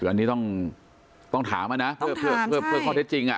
อันนี้ต้องถามนะเพื่อข้อเท็จจริง